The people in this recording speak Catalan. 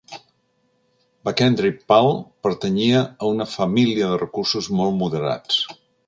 Bachendri Pal pertanyia a una família de recursos molt moderats.